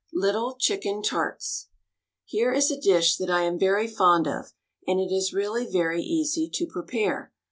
LITTLE CHICKEN TARTS Here is a dish that I am very fond of and it is really very easy to prepare.